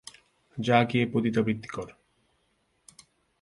যা গিয়ে পতিতাবৃত্তি কর!